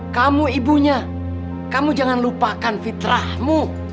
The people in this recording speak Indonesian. kamu ibunya kamu jangan lupakan fitrahmu